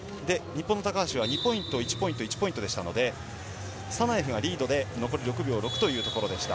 高橋は２ポイント、１ポイント、１ポイントでしたので、サナエフがリードで残り６秒６ということでした。